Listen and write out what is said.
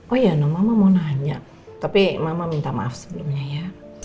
oh ya non mama mau nanya tapi mama minta maaf sebelumnya ya